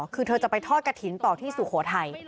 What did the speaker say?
คือเธอจะไปทอดกระถิ่นต่อที่สุโขทัย